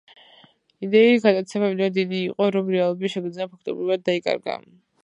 იდეით გატაცება იმდენად დიდი იყო, რომ რეალობის შეგრძნება ფაქტობრივად დაიკარგა.